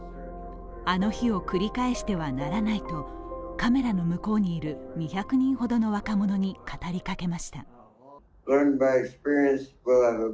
あの日を繰り返してはならないとカメラの向こうにいる２００人ほどの若者に語りかけました。